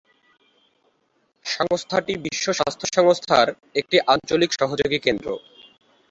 সংস্থাটি বিশ্ব স্বাস্থ্য সংস্থার একটি আঞ্চলিক সহযোগী কেন্দ্র।